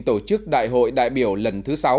tổ chức đại hội đại biểu lần thứ sáu